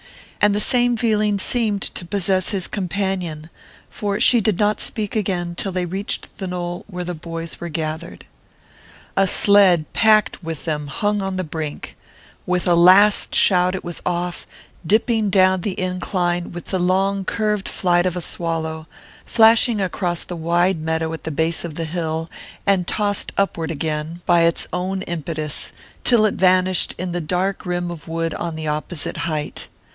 And the same feeling seemed to possess his companion, for she did not speak again till they reached the knoll where the boys were gathered. A sled packed with them hung on the brink: with a last shout it was off, dipping down the incline with the long curved flight of a swallow, flashing across the wide meadow at the base of the hill, and tossed upward again by its own impetus, till it vanished in the dark rim of wood on the opposite height.